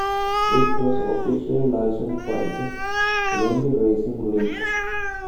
It was officially licensed by the Indy Racing League.